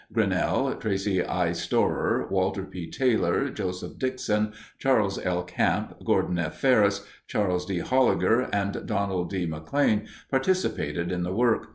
Grinnell, Tracy I. Storer, Walter P. Taylor, Joseph Dixon, Charles L. Camp, Gordon F. Ferris, Charles D. Holliger, and Donald D. McLean participated in the work.